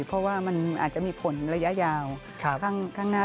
เพราะว่ามันอาจจะมีผลระยะยาวข้างหน้า